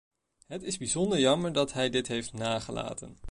Het is bijzonder jammer dat hij dit heeft nagelaten.